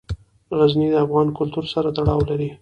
غزني د افغان کلتور سره تړاو لري.